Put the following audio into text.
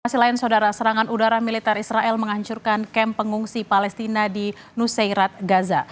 selain saudara serangan udara militer israel menghancurkan kamp pengungsi palestina di nusirat gaza